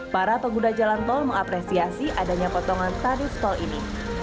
para pengguna jalan tol mengapresiasi adanya potongan tarif tol ini